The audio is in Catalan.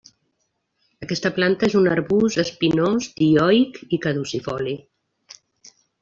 Aquesta planta és un arbust espinós, dioic i caducifoli.